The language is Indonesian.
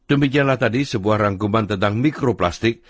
demikianlah tadi sebuah rangkuman tentang mikroplastik